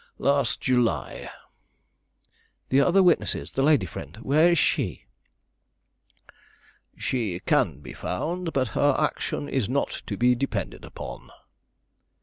"Last July." "The other witness, the lady friend, where is she?" "She can be found; but her action is not to be depended upon."